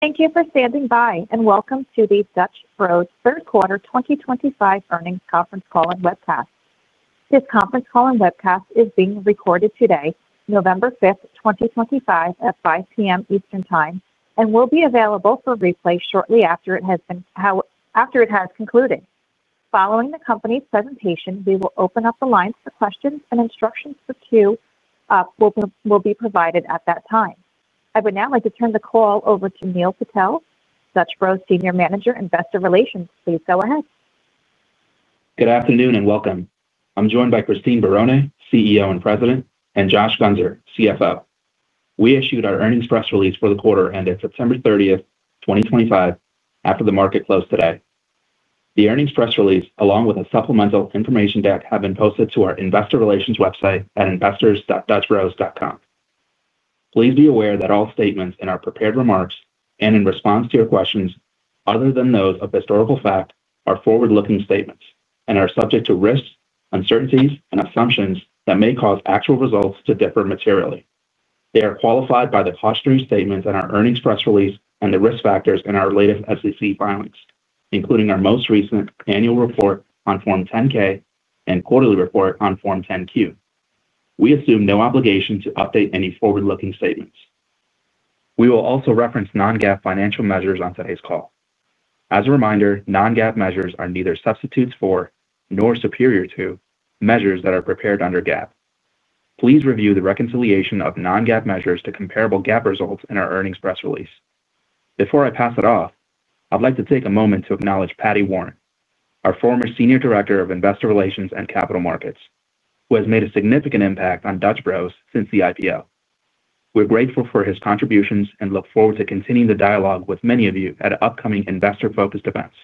Thank you for standing by, and welcome to the Dutch Bros Third Quarter 2025 Earnings Conference Call and Webcast. This conference call and webcast is being recorded today, November 5th, 2025, at 5:00 P.M. Eastern time, and will be available for replay shortly after it has concluded. Following the company's presentation, we will open up the line for questions, and instructions for Q will be provided at that time. I would now like to turn the call over to Neil Patel, Dutch Bros Senior Manager Investor Relations. Please go ahead. Good afternoon and welcome. I'm joined by Christine Barone, CEO and President, and Josh Guenser, CFO. We issued our earnings press release for the quarter ended September 30th, 2025, after the market closed today. The earnings press release, along with a supplemental information deck, have been posted to our investor relations website at investors.dutchbros.com. Please be aware that all statements in our prepared remarks and in response to your questions, other than those of historical fact, are forward-looking statements and are subject to risks, uncertainties, and assumptions that may cause actual results to differ materially. They are qualified by the cautionary statements in our earnings press release and the risk factors in our latest SEC filings, including our most recent annual report on Form 10-K and quarterly report on Form 10-Q. We assume no obligation to update any forward-looking statements. We will also reference non-GAAP financial measures on today's call. As a reminder, non-GAAP measures are neither substitutes for nor superior to measures that are prepared under GAAP. Please review the reconciliation of non-GAAP measures to comparable GAAP results in our earnings press release. Before I pass it off, I'd like to take a moment to acknowledge Paddy Warren, our former Senior Director of Investor Relations and Capital Markets, who has made a significant impact on Dutch Bros since the IPO. We're grateful for his contributions and look forward to continuing the dialogue with many of you at upcoming investor-focused events.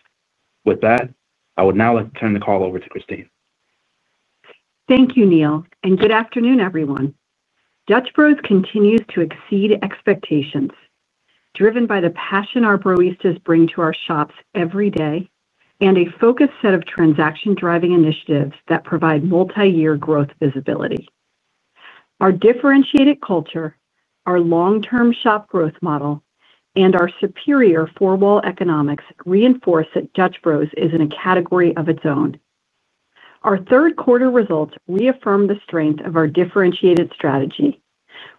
With that, I would now like to turn the call over to Christine. Thank you, Neil, and good afternoon, everyone. Dutch Bros continues to exceed expectations, driven by the passion our Broista bring to our shops every day and a focused set of transaction-driving initiatives that provide multi-year growth visibility. Our differentiated culture, our long-term shop growth model, and our superior four-wall economics reinforce that Dutch Bros is in a category of its own. Our third quarter results reaffirm the strength of our differentiated strategy,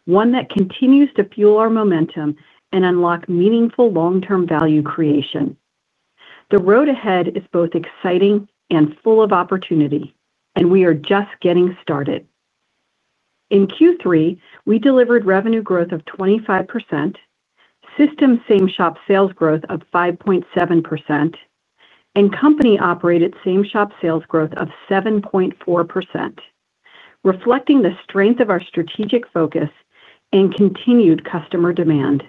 one that continues to fuel our momentum and unlock meaningful long-term value creation. The road ahead is both exciting and full of opportunity, and we are just getting started. In Q3, we delivered revenue growth of 25%, system same-shop sales growth of 5.7%, and company-operated same-shop sales growth of 7.4%, reflecting the strength of our strategic focus and continued customer demand.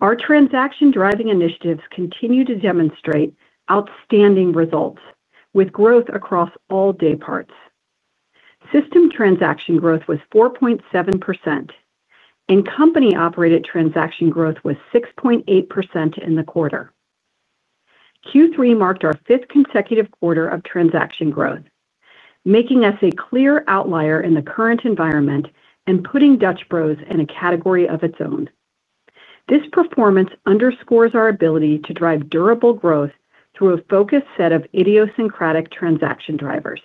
Our transaction-driving initiatives continue to demonstrate outstanding results, with growth across all day parts. System transaction growth was 4.7%. Company-operated transaction growth was 6.8% in the quarter. Q3 marked our fifth consecutive quarter of transaction growth, making us a clear outlier in the current environment and putting Dutch Bros in a category of its own. This performance underscores our ability to drive durable growth through a focused set of idiosyncratic transaction drivers.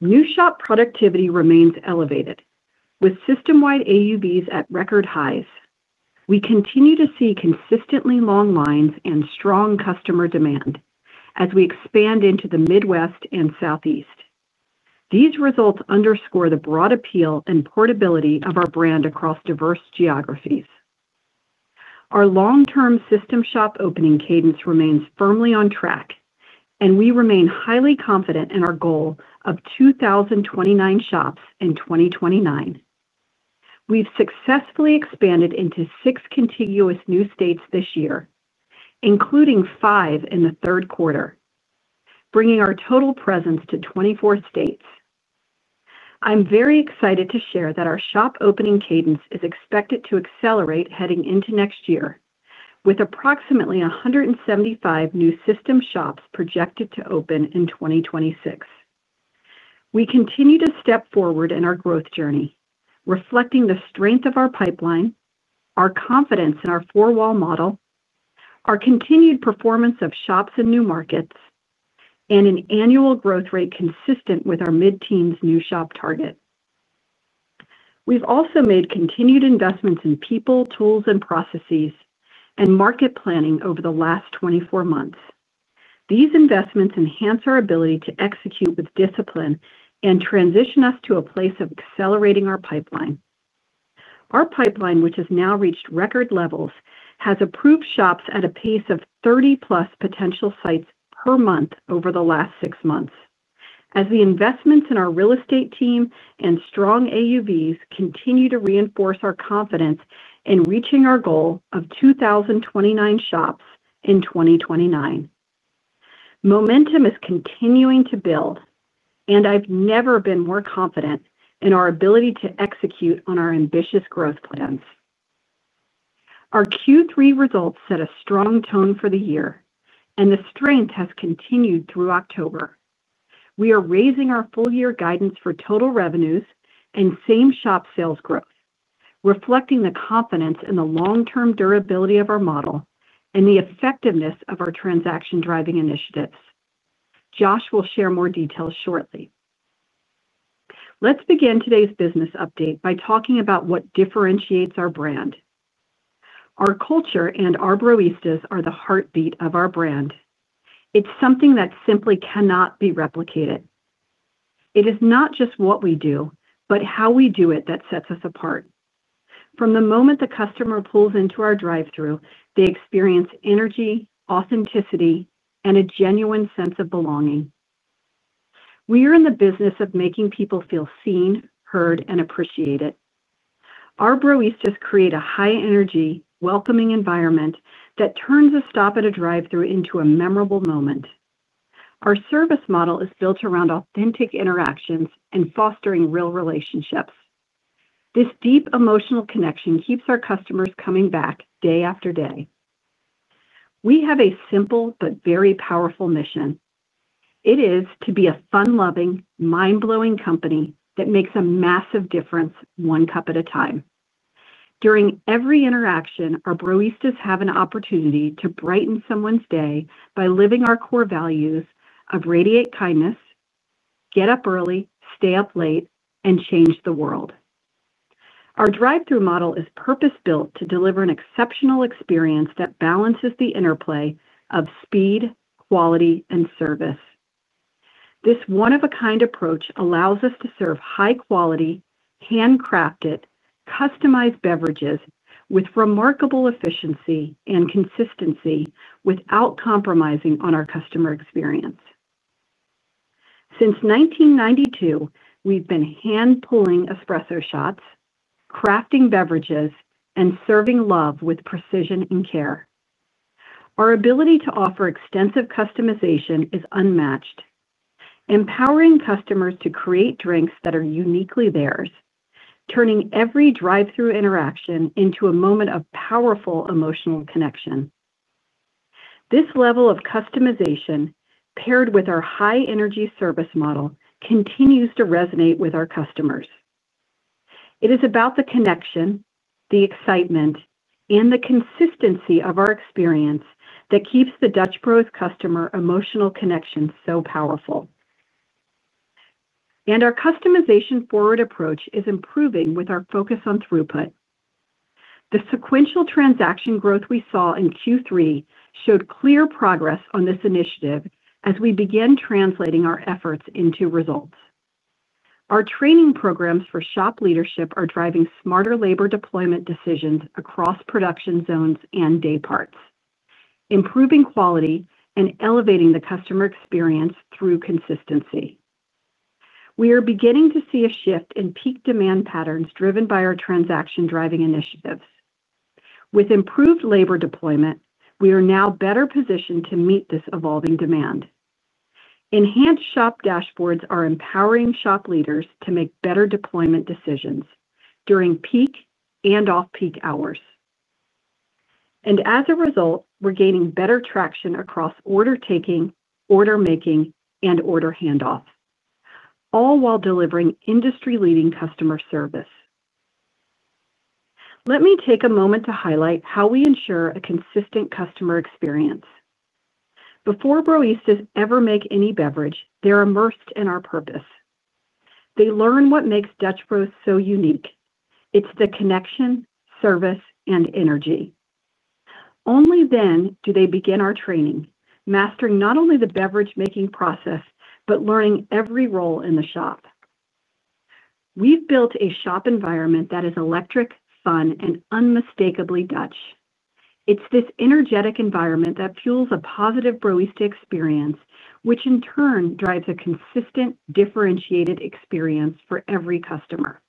New shop productivity remains elevated, with system-wide AUVs at record highs. We continue to see consistently long lines and strong customer demand as we expand into the Midwest and Southeast. These results underscore the broad appeal and portability of our brand across diverse geographies. Our long-term system shop opening cadence remains firmly on track, and we remain highly confident in our goal of 2,029 shops in 2029. We have successfully expanded into six contiguous new states this year, including five in the third quarter, bringing our total presence to 24 states. I'm very excited to share that our shop opening cadence is expected to accelerate heading into next year, with approximately 175 new system shops projected to open in 2026. We continue to step forward in our growth journey, reflecting the strength of our pipeline, our confidence in our 4-wall model, our continued performance of shops in new markets, and an annual growth rate consistent with our mid-teens new shop target. We've also made continued investments in people, tools, and processes, and market planning over the last 24 months. These investments enhance our ability to execute with discipline and transition us to a place of accelerating our pipeline. Our pipeline, which has now reached record levels, has approved shops at a pace of 30+ potential sites per month over the last six months, as the investments in our real estate team and strong AUVs continue to reinforce our confidence in reaching our goal of 2,029 shops in 2029. Momentum is continuing to build, and I've never been more confident in our ability to execute on our ambitious growth plans. Our Q3 results set a strong tone for the year, and the strength has continued through October. We are raising our full-year guidance for total revenues and same-shop sales growth, reflecting the confidence in the long-term durability of our model and the effectiveness of our transaction-driving initiatives. Josh will share more details shortly. Let's begin today's business update by talking about what differentiates our brand. Our culture and our Broista are the heartbeat of our brand. It's something that simply cannot be replicated. It is not just what we do, but how we do it that sets us apart. From the moment the customer pulls into our drive-thru, they experience energy, authenticity, and a genuine sense of belonging. We are in the business of making people feel seen, heard, and appreciated. Our Broista create a high-energy, welcoming environment that turns a stop at a drive-thru into a memorable moment. Our service model is built around authentic interactions and fostering real relationships. This deep emotional connection keeps our customers coming back day after day. We have a simple but very powerful mission. It is to be a fun-loving, mind-blowing company that makes a massive difference one cup at a time. During every interaction, our Broista have an opportunity to brighten someone's day by living our core values of radiate kindness. Get up early, stay up late, and change the world. Our drive-thru model is purpose-built to deliver an exceptional experience that balances the interplay of speed, quality, and service. This one-of-a-kind approach allows us to serve high-quality, handcrafted, customized beverages with remarkable efficiency and consistency without compromising on our customer experience. Since 1992, we've been hand-pulling espresso shots, crafting beverages, and serving love with precision and care. Our ability to offer extensive customization is unmatched. Empowering customers to create drinks that are uniquely theirs, turning every drive-thru interaction into a moment of powerful emotional connection. This level of customization, paired with our high-energy service model, continues to resonate with our customers. It is about the connection, the excitement, and the consistency of our experience that keeps the Dutch Bros customer emotional connection so powerful. Our customization-forward approach is improving with our focus on throughput. The sequential transaction growth we saw in Q3 showed clear progress on this initiative as we began translating our efforts into results. Our training programs for shop leadership are driving smarter labor deployment decisions across production zones and day parts, improving quality and elevating the customer experience through consistency. We are beginning to see a shift in peak demand patterns driven by our transaction-driving initiatives. With improved labor deployment, we are now better positioned to meet this evolving demand. Enhanced shop dashboards are empowering shop leaders to make better deployment decisions during peak and off-peak hours. As a result, we're gaining better traction across order-taking, order-making, and order handoff. All while delivering industry-leading customer service. Let me take a moment to highlight how we ensure a consistent customer experience. Before Broista ever make any beverage, they're immersed in our purpose. They learn what makes Dutch Bros so unique. It's the connection, service, and energy. Only then do they begin our training, mastering not only the beverage-making process but learning every role in the shop. We've built a shop environment that is electric, fun, and unmistakably Dutch. It's this energetic environment that fuels a positive barista experience, which in turn drives a consistent, differentiated experience for every customer.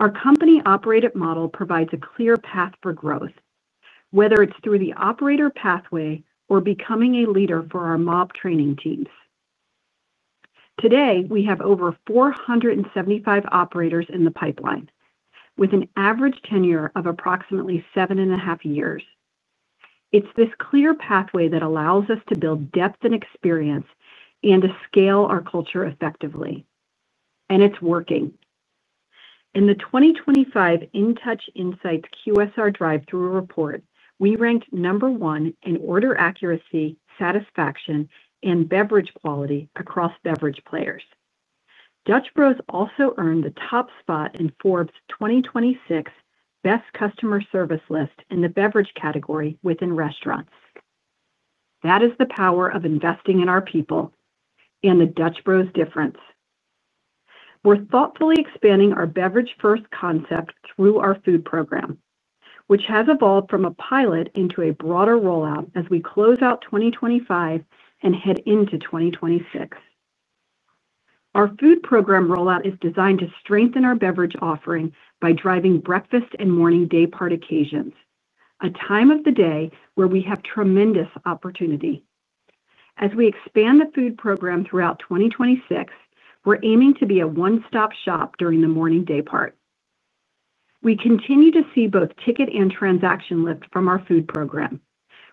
Our company-operated model provides a clear path for growth, whether it's through the operator pathway or becoming a leader for our MOB training teams. Today, we have over 475 operators in the pipeline, with an average tenure of approximately seven and a half years. It's this clear pathway that allows us to build depth and experience and to scale our culture effectively. It is working. In the 2025 InTouch Insights QSR Drive-Thru Report, we ranked number one in order accuracy, satisfaction, and beverage quality across beverage players. Dutch Bros also earned the top spot in Forbes' 2026 Best Customer Service List in the beverage category within restaurants. That is the power of investing in our people. And the Dutch Bros difference. We are thoughtfully expanding our beverage-first concept through our food program, which has evolved from a pilot into a broader rollout as we close out 2025 and head into 2026. Our food program rollout is designed to strengthen our beverage offering by driving breakfast and morning day part occasions, a time of the day where we have tremendous opportunity. As we expand the food program throughout 2026, we are aiming to be a one-stop shop during the morning day part. We continue to see both ticket and transaction lift from our food program,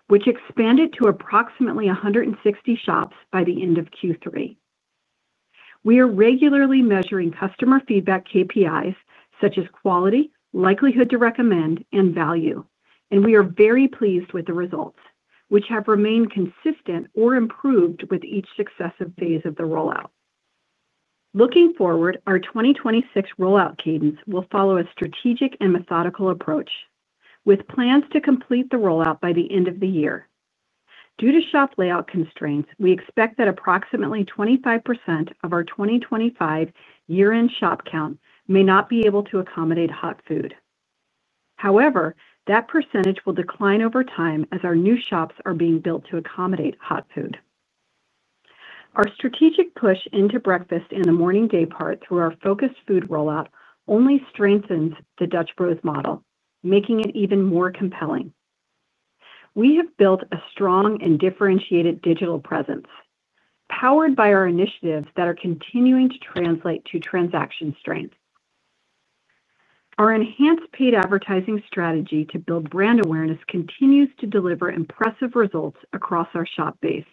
which expanded to approximately 160 shops by the end of Q3. We are regularly measuring customer feedback KPIs such as quality, likelihood to recommend, and value, and we are very pleased with the results, which have remained consistent or improved with each successive phase of the rollout. Looking forward, our 2026 rollout cadence will follow a strategic and methodical approach, with plans to complete the rollout by the end of the year. Due to shop layout constraints, we expect that approximately 25% of our 2025 year-end shop count may not be able to accommodate hot food. However, that percentage will decline over time as our new shops are being built to accommodate hot food. Our strategic push into breakfast and the morning day part through our focused food rollout only strengthens the Dutch Bros model, making it even more compelling. We have built a strong and differentiated digital presence. Powered by our initiatives that are continuing to translate to transaction strength. Our enhanced paid advertising strategy to build brand awareness continues to deliver impressive results across our shop base,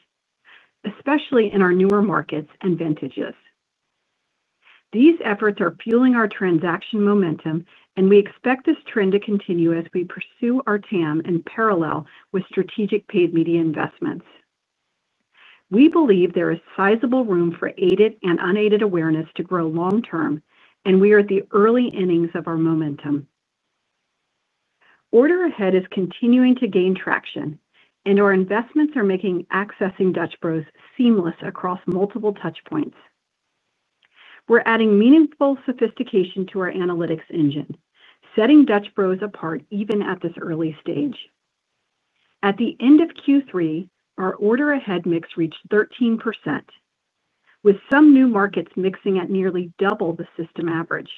especially in our newer markets and vintages. These efforts are fueling our transaction momentum, and we expect this trend to continue as we pursue our TAM in parallel with strategic paid media investments. We believe there is sizable room for aided and unaided awareness to grow long-term, and we are at the early innings of our momentum. Order Ahead is continuing to gain traction, and our investments are making accessing Dutch Bros seamless across multiple touchpoints. We're adding meaningful sophistication to our analytics engine, setting Dutch Bros apart even at this early stage. At the end of Q3, our Order Ahead mix reached 13%, with some new markets mixing at nearly double the system average.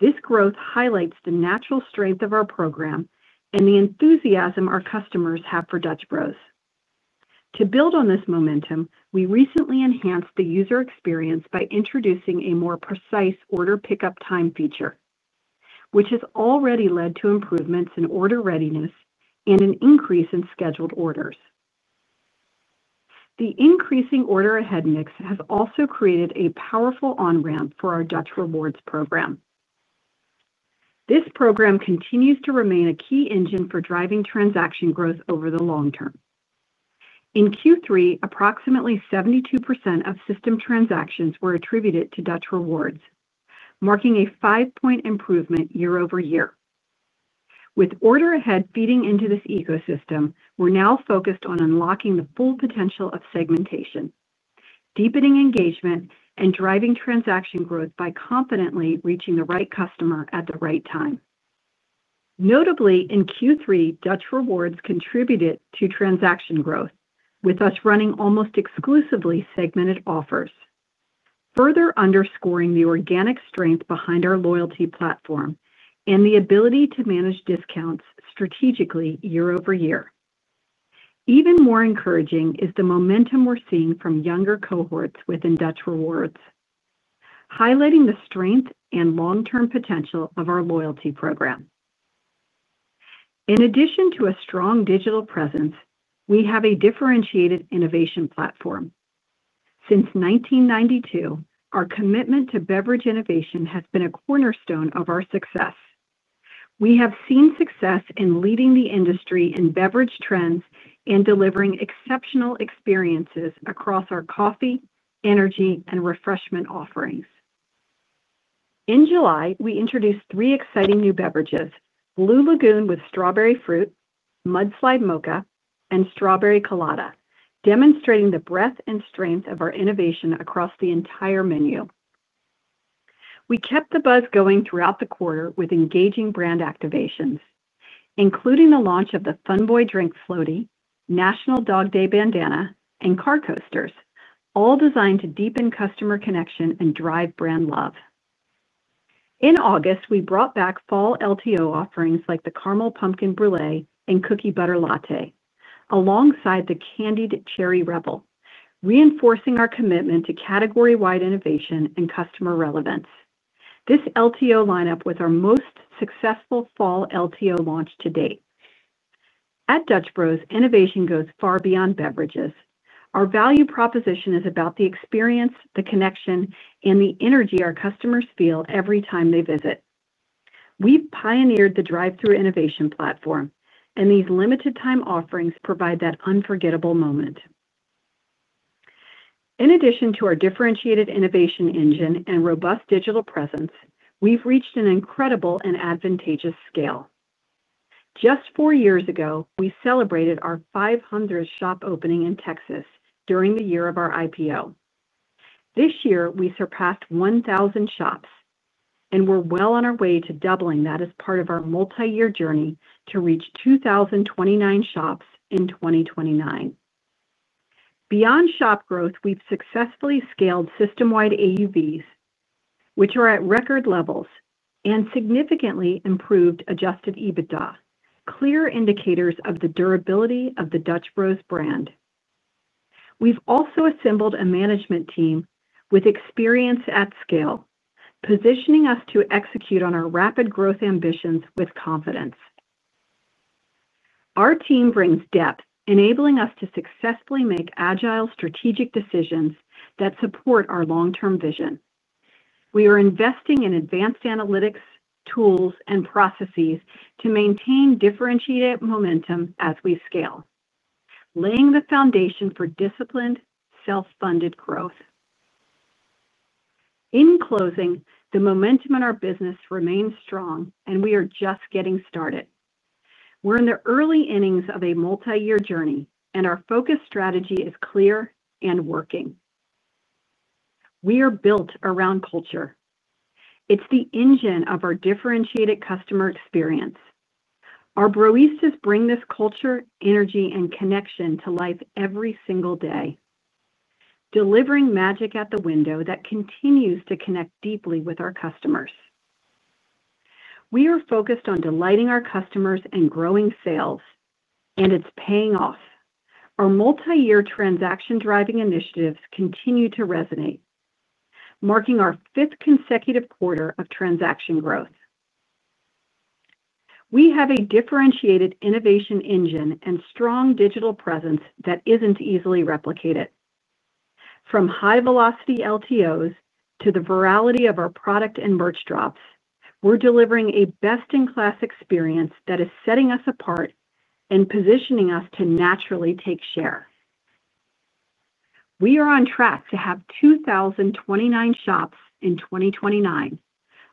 This growth highlights the natural strength of our program and the enthusiasm our customers have for Dutch Bros. To build on this momentum, we recently enhanced the user experience by introducing a more precise order pickup time feature, which has already led to improvements in order readiness and an increase in scheduled orders. The increasing Order Ahead mix has also created a powerful on-ramp for our Dutch Rewards program. This program continues to remain a key engine for driving transaction growth over the long term. In Q3, approximately 72% of system transactions were attributed to Dutch Rewards, marking a five-point improvement year over year. With Order Ahead feeding into this ecosystem, we're now focused on unlocking the full potential of segmentation, deepening engagement, and driving transaction growth by confidently reaching the right customer at the right time. Notably, in Q3, Dutch Rewards contributed to transaction growth, with us running almost exclusively segmented offers. Further underscoring the organic strength behind our loyalty platform and the ability to manage discounts strategically year over year. Even more encouraging is the momentum we're seeing from younger cohorts within Dutch Rewards. Highlighting the strength and long-term potential of our loyalty program. In addition to a strong digital presence, we have a differentiated innovation platform. Since 1992, our commitment to beverage innovation has been a cornerstone of our success. We have seen success in leading the industry in beverage trends and delivering exceptional experiences across our coffee, energy, and refreshment offerings. In July, we introduced three exciting new beverages: Blue Lagoon with strawberry fruit, Mudslide Mocha, and Strawberry Colada, demonstrating the breadth and strength of our innovation across the entire menu. We kept the buzz going throughout the quarter with engaging brand activations, including the launch of the FUNBOY drink floatie, National Dog Day Bandanna, and Car Coasters, all designed to deepen customer connection and drive brand love. In August, we brought back fall LTO offerings like the Caramel Pumpkin Brûlée and Cookie Butter Latte, alongside the Candied Cherry Rebel, reinforcing our commitment to category-wide innovation and customer relevance. This LTO lineup was our most successful fall LTO launch to date. At Dutch Bros, innovation goes far beyond beverages. Our value proposition is about the experience, the connection, and the energy our customers feel every time they visit. We have pioneered the drive-thru innovation platform, and these limited-time offerings provide that unforgettable moment. In addition to our differentiated innovation engine and robust digital presence, we have reached an incredible and advantageous scale. Just four years ago, we celebrated our 500th shop opening in Texas during the year of our IPO. This year, we surpassed 1,000 shops and were well on our way to doubling that as part of our multi-year journey to reach 2,029 shops in 2029. Beyond shop growth, we've successfully scaled system-wide AUVs, which are at record levels, and significantly improved Adjusted EBITDA, clear indicators of the durability of the Dutch Bros brand. We've also assembled a management team with experience at scale, positioning us to execute on our rapid growth ambitions with confidence. Our team brings depth, enabling us to successfully make agile, strategic decisions that support our long-term vision. We are investing in advanced analytics, tools, and processes to maintain differentiated momentum as we scale. Laying the foundation for disciplined, self-funded growth. In closing, the momentum in our business remains strong, and we are just getting started. We're in the early innings of a multi-year journey, and our focus strategy is clear and working. We are built around culture. It's the engine of our differentiated customer experience. Our Broista bring this culture, energy, and connection to life every single day. Delivering magic at the window that continues to connect deeply with our customers. We are focused on delighting our customers and growing sales, and it's paying off. Our multi-year transaction-driving initiatives continue to resonate. Marking our fifth consecutive quarter of transaction growth. We have a differentiated innovation engine and strong digital presence that isn't easily replicated. From high-velocity LTOs to the virality of our product and merch drops, we're delivering a best-in-class experience that is setting us apart and positioning us to naturally take share. We are on track to have 2,029 shops in 2029.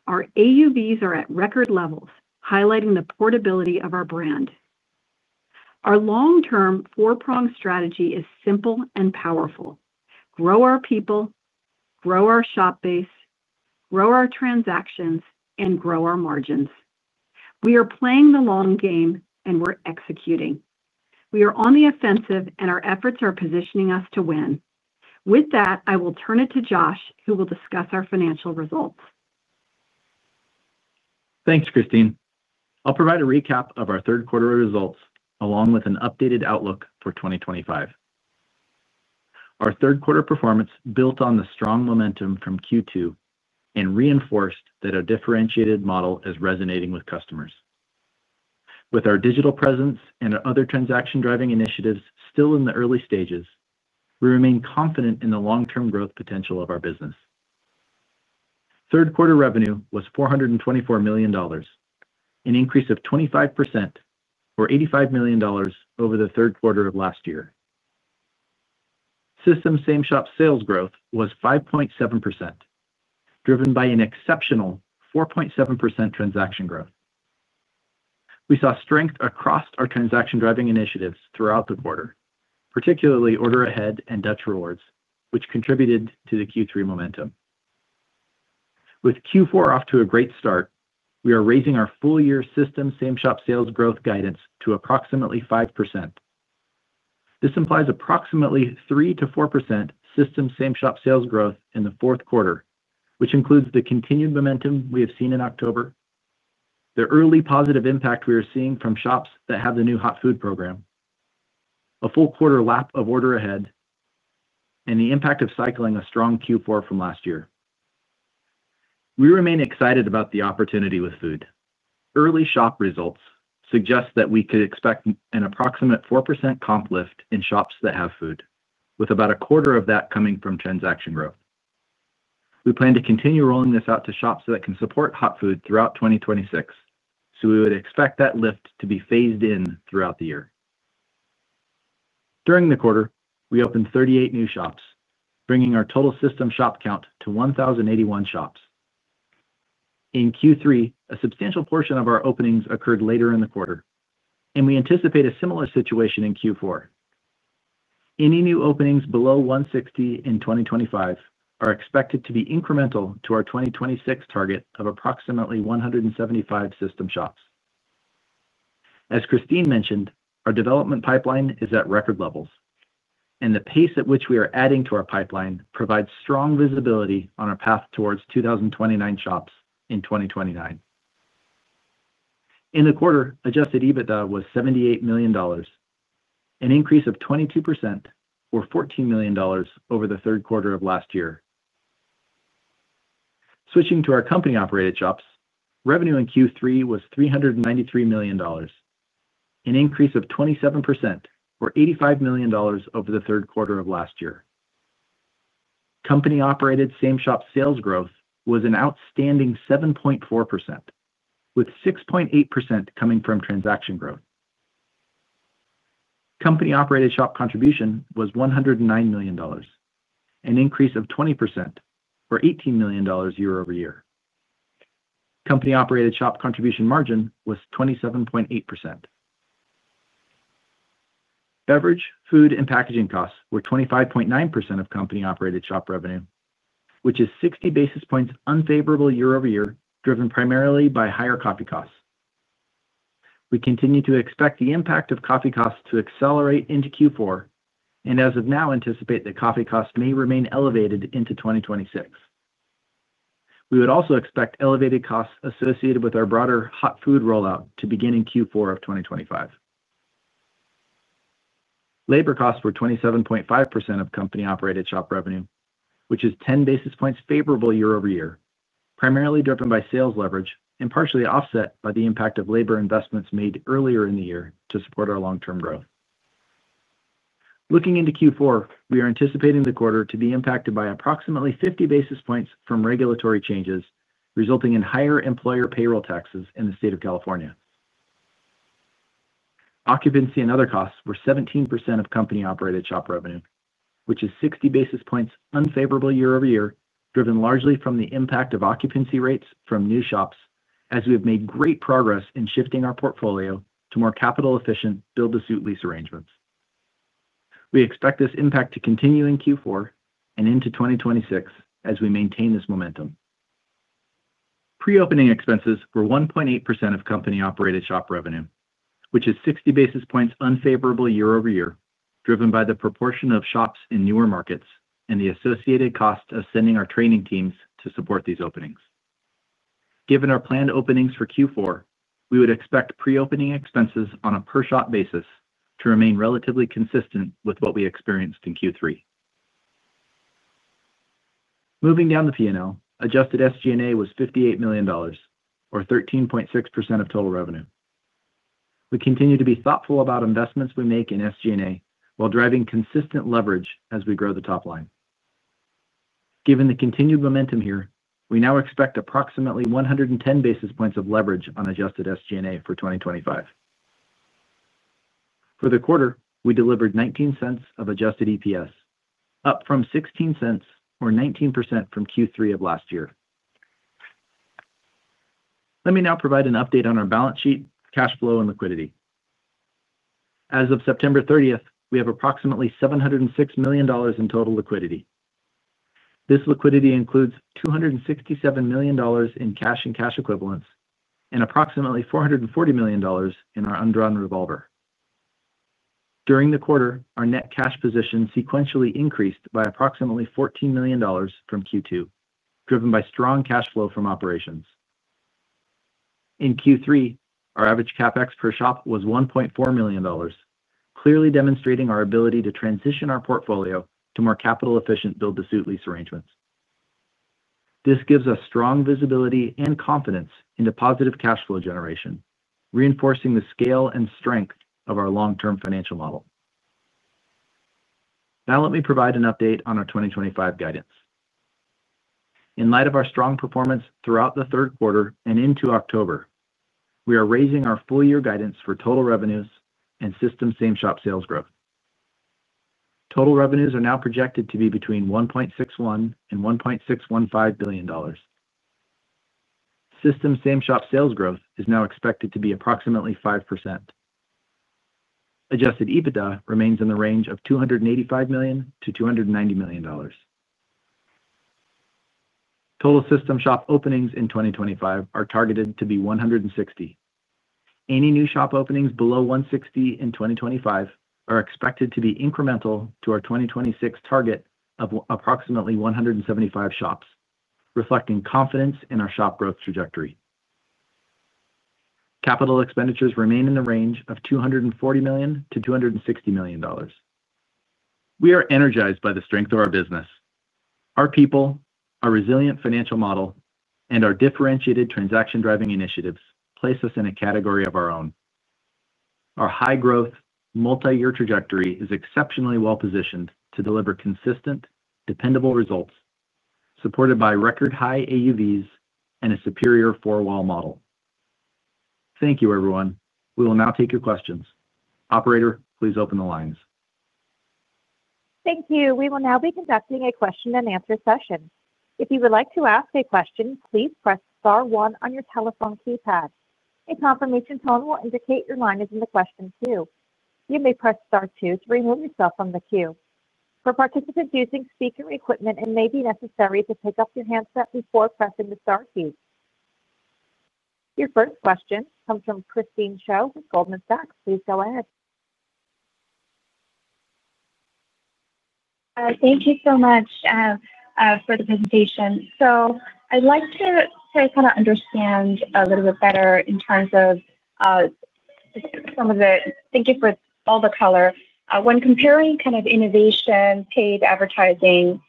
Our AUVs are at record levels, highlighting the portability of our brand. Our long-term four-prong strategy is simple and powerful: grow our people, grow our shop base, grow our transactions, and grow our margins. We are playing the long game, and we're executing. We are on the offensive, and our efforts are positioning us to win. With that, I will turn it to Josh, who will discuss our financial results. Thanks, Christine. I'll provide a recap of our third quarter results along with an updated outlook for 2025. Our third quarter performance built on the strong momentum from Q2 and reinforced that our differentiated model is resonating with customers. With our digital presence and other transaction-driving initiatives still in the early stages, we remain confident in the long-term growth potential of our business. Third quarter revenue was $424 million, an increase of 25%, or $85 million over the third quarter of last year. System same-shop sales growth was 5.7%. Driven by an exceptional 4.7% transaction growth. We saw strength across our transaction-driving initiatives throughout the quarter, particularly Order Ahead and Dutch Rewards, which contributed to the Q3 momentum. With Q4 off to a great start, we are raising our full-year System same-shop sales growth guidance to approximately 5%. This implies approximately 3%-4% System same-shop sales growth in the fourth quarter, which includes the continued momentum we have seen in October, the early positive impact we are seeing from shops that have the new hot food program, a full quarter lap of Order Ahead, and the impact of cycling a strong Q4 from last year. We remain excited about the opportunity with food. Early shop results suggest that we could expect an approximate 4% comp lift in shops that have food, with about 1/4 of that coming from transaction growth. We plan to continue rolling this out to shops that can support hot food throughout 2026, so we would expect that lift to be phased in throughout the year. During the quarter, we opened 38 new shops, bringing our total system shop count to 1,081 shops. In Q3, a substantial portion of our openings occurred later in the quarter, and we anticipate a similar situation in Q4. Any new openings below 160 in 2025 are expected to be incremental to our 2026 target of approximately 175 system shops. As Christine mentioned, our development pipeline is at record levels, and the pace at which we are adding to our pipeline provides strong visibility on our path towards 2,029 shops in 2029. In the quarter, Adjusted EBITDA was $78 million. An increase of 22%, or $14 million over the third quarter of last year. Switching to our company-operated shops, revenue in Q3 was $393 million, an increase of 27%, or $85 million over the third quarter of last year. Company-operated same-shop sales growth was an outstanding 7.4%, with 6.8% coming from transaction growth. Company-operated shop contribution was $109 million, an increase of 20%, or $18 million year over year. Company-operated shop contribution margin was 27.8%. Beverage, food, and packaging costs were 25.9% of company-operated shop revenue, which is 60 basis points unfavorable year over year, driven primarily by higher coffee costs. We continue to expect the impact of coffee costs to accelerate into Q4, and as of now, anticipate that coffee costs may remain elevated into 2026. We would also expect elevated costs associated with our broader hot food rollout to begin in Q4 of 2025. Labor costs were 27.5% of company-operated shop revenue, which is 10 basis points favorable year over year, primarily driven by sales leverage and partially offset by the impact of labor investments made earlier in the year to support our long-term growth. Looking into Q4, we are anticipating the quarter to be impacted by approximately 50 basis points from regulatory changes resulting in higher employer payroll taxes in the state of California. Occupancy and other costs were 17% of company-operated shop revenue, which is 60 basis points unfavorable year over year, driven largely from the impact of occupancy rates from new shops, as we have made great progress in shifting our portfolio to more capital-efficient build-to-suit lease arrangements. We expect this impact to continue in Q4 and into 2026 as we maintain this momentum. Pre-opening expenses were 1.8% of company-operated shop revenue, which is 60 basis points unfavorable year over year, driven by the proportion of shops in newer markets and the associated cost of sending our training teams to support these openings. Given our planned openings for Q4, we would expect pre-opening expenses on a per-shop basis to remain relatively consistent with what we experienced in Q3. Moving down the P&L, adjusted SG&A was $58 million, or 13.6% of total revenue. We continue to be thoughtful about investments we make in SG&A while driving consistent leverage as we grow the top line. Given the continued momentum here, we now expect approximately 110 basis points of leverage on adjusted SG&A for 2025. For the quarter, we delivered 19 cents of adjusted EPS, up from 16 cents, or 19% from Q3 of last year. Let me now provide an update on our balance sheet, cash flow, and liquidity. As of September 30th, we have approximately $706 million in total liquidity. This liquidity includes $267 million in cash and cash equivalents and approximately $440 million in our undrawn revolver. During the quarter, our net cash position sequentially increased by approximately $14 million from Q2, driven by strong cash flow from operations. In Q3, our average CapEx per shop was $1.4 million, clearly demonstrating our ability to transition our portfolio to more capital-efficient build-to-suit lease arrangements. This gives us strong visibility and confidence into positive cash flow generation, reinforcing the scale and strength of our long-term financial model. Now, let me provide an update on our 2025 guidance. In light of our strong performance throughout the third quarter and into October, we are raising our full-year guidance for total revenues and system same-shop sales growth. Total revenues are now projected to be between $1.61 billion and $1.615 billion. System same-shop sales growth is now expected to be approximately 5%. Adjusted EBITDA remains in the range of $285 million-$290 million. Total system shop openings in 2025 are targeted to be 160. Any new shop openings below 160 in 2025 are expected to be incremental to our 2026 target of approximately 175 shops, reflecting confidence in our shop growth trajectory. Capital expenditures remain in the range of $240 million-$260 million. We are energized by the strength of our business. Our people, our resilient financial model, and our differentiated transaction-driving initiatives place us in a category of our own. Our high-growth, multi-year trajectory is exceptionally well-positioned to deliver consistent, dependable results, supported by record-high AUVs and a superior four-wall model. Thank you, everyone. We will now take your questions. Operator, please open the lines. Thank you. We will now be conducting a question-and-answer session. If you would like to ask a question, please press star one on your telephone keypad. A confirmation tone will indicate your line is in the question queue. You may press star two to remove yourself from the queue. For participants using speaker equipment, it may be necessary to pick up your handset before pressing the Star key. Your first question comes from Christine Cho with Goldman Sachs. Please go ahead. Thank you so much for the presentation. I would like to kind of understand a little bit better in terms of some of the, thank you for all the color. When comparing kind of innovation, paid advertising,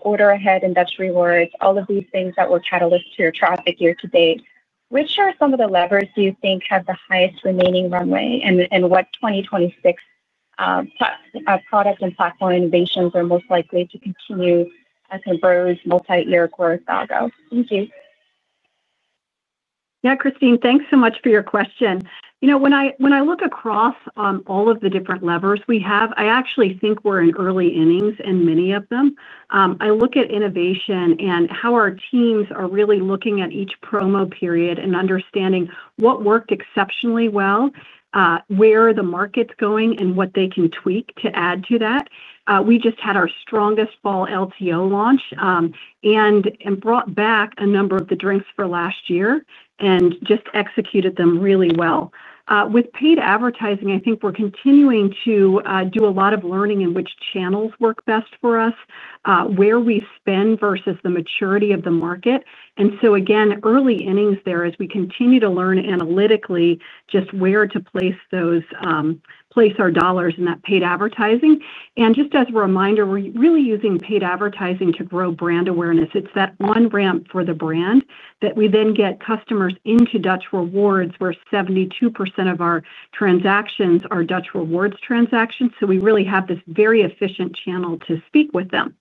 Order Ahead, and Dutch Rewards, all of these things that were catalysts to your traffic year to date, which are some of the levers you think have the highest remaining runway, and what 2026 product and platform innovations are most likely to continue as a Bro's multi-year growth algo? Thank you. Yeah, Christine, thanks so much for your question. When I look across all of the different levers we have, I actually think we're in early innings in many of them. I look at innovation and how our teams are really looking at each promo period and understanding what worked exceptionally well, where the market's going and what they can tweak to add to that. We just had our strongest fall LTO launch and brought back a number of the drinks from last year and just executed them really well. With paid advertising, I think we're continuing to do a lot of learning in which channels work best for us. Where we spend versus the maturity of the market. Again, early innings there as we continue to learn analytically just where to place our dollars in that paid advertising. Just as a reminder, we're really using paid advertising to grow brand awareness. It's that on-ramp for the brand that we then get customers into Dutch Rewards, where 72% of our transactions are Dutch Rewards transactions. We really have this very efficient channel to speak with them.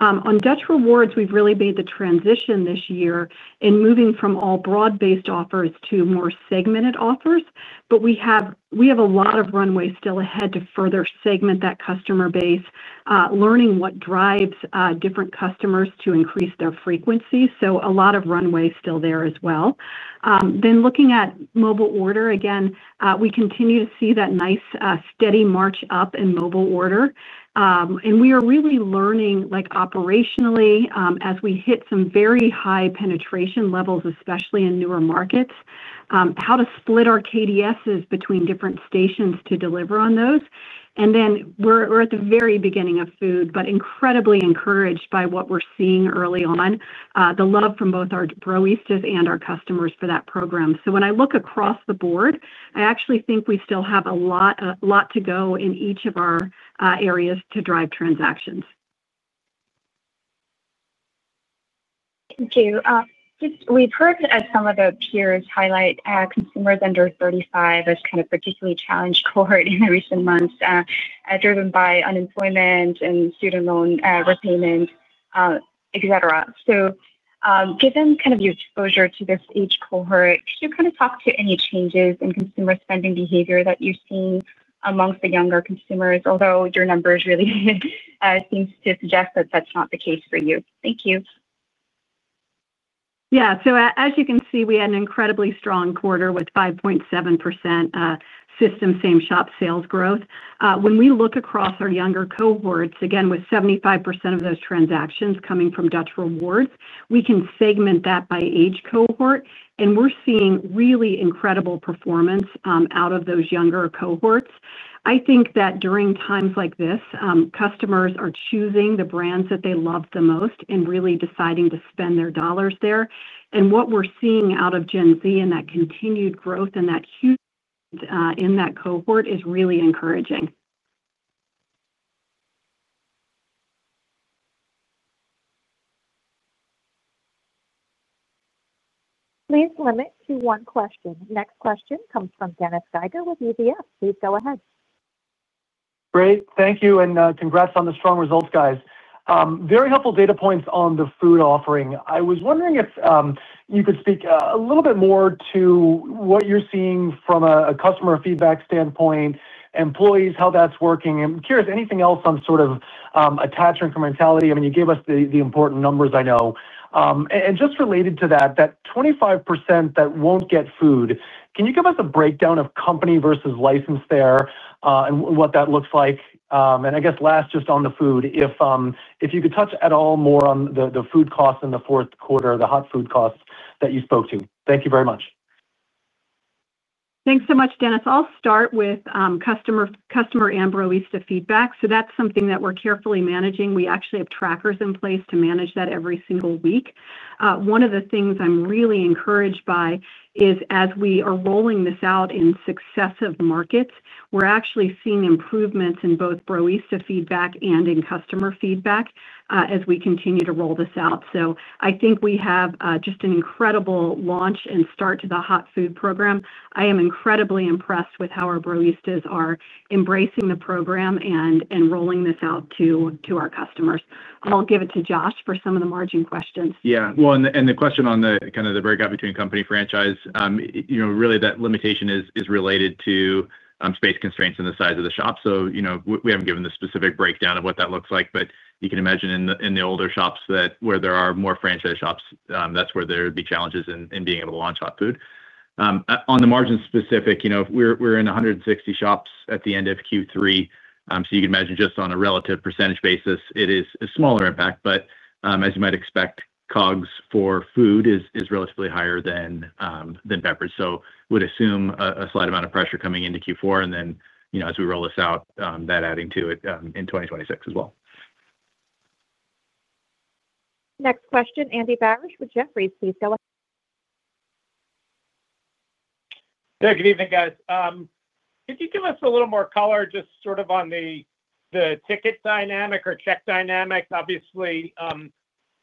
On Dutch Rewards, we've really made the transition this year in moving from all broad-based offers to more segmented offers. We have a lot of runway still ahead to further segment that customer base, learning what drives different customers to increase their frequency. A lot of runway still there as well. Looking at mobile order, again, we continue to see that nice steady march up in mobile order. We are really learning operationally as we hit some very high penetration levels, especially in newer markets, how to split our KDSs between different stations to deliver on those. We are at the very beginning of food, but incredibly encouraged by what we're seeing early on, the love from both our Broista and our customers for that program. When I look across the board, I actually think we still have a lot to go in each of our areas to drive transactions. Thank you. We've heard some of our peers highlight consumers under 35 as kind of particularly challenged cohort in recent months, driven by unemployment and student loan repayment, etc. Given kind of your exposure to this age cohort, could you kind of talk to any changes in consumer spending behavior that you've seen amongst the younger consumers, although your numbers really seem to suggest that that's not the case for you? Thank you. Yeah. As you can see, we had an incredibly strong quarter with 5.7% system same-shop sales growth. When we look across our younger cohorts, again, with 75% of those transactions coming from Dutch Rewards, we can segment that by age cohort, and we're seeing really incredible performance out of those younger cohorts. I think that during times like this, customers are choosing the brands that they love the most and really deciding to spend their dollars there. What we're seeing out of Gen Z and that continued growth and that huge in that cohort is really encouraging. Please limit to one question. Next question comes from Dennis Geiger with UBS. Please go ahead. Great. Thank you. And congrats on the strong results, guys. Very helpful data points on the food offering. I was wondering if you could speak a little bit more to what you're seeing from a customer feedback standpoint, employees, how that's working. I'm curious, anything else on sort of attachment for mentality? I mean, you gave us the important numbers, I know. And just related to that, that 25% that won't get food, can you give us a breakdown of company versus license there and what that looks like? I guess last, just on the food, if you could touch at all more on the food costs in the fourth quarter, the hot food costs that you spoke to. Thank you very much. Thanks so much, Dennis. I'll start with customer and broista feedback. That's something that we're carefully managing. We actually have trackers in place to manage that every single week. One of the things I'm really encouraged by is as we are rolling this out in successive markets, we're actually seeing improvements in both broista feedback and in customer feedback as we continue to roll this out. I think we have just an incredible launch and start to the hot food program. I am incredibly impressed with how our Broista are embracing the program and rolling this out to our customers. I'll give it to Josh for some of the margin questions. Yeah. The question on kind of the breakout between company franchise, really that limitation is related to space constraints and the size of the shop. We haven't given the specific breakdown of what that looks like, but you can imagine in the older shops where there are more franchise shops, that's where there would be challenges in being able to launch hot food. On the margin specific, we're in 160 shops at the end of Q3. You can imagine just on a relative percentage basis, it is a smaller impact. As you might expect, COGS for food is relatively higher than beverages. We would assume a slight amount of pressure coming into Q4, and then as we roll this out, that adding to it in 2026 as well. Next question, Andy Barish with Jefferies. Please go ahead. Yeah. Good evening, guys. Could you give us a little more color just sort of on the ticket dynamic or check dynamic? Obviously,